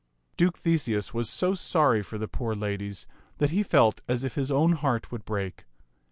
Duke Theseus was so sorry for the poor ladies that he felt as if his own heart would break.